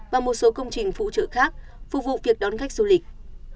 và một số công trình phụ trợ khác phục vụ việc đón khách du lịch